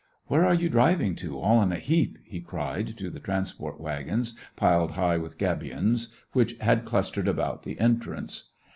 Where are you driving to, all in a heap !" he cried to the transport wagons piled high with gabions, which had clustered about the entrance.